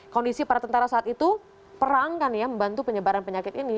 kondisi para tentara saat itu perang kan ya membantu penyebaran penyakit ini